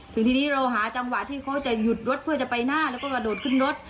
ถึงทีนี้เราหาจังหวะที่เขาจะหยุดรถเพื่อจะไปหน้าแล้วก็กระโดดขึ้นรถ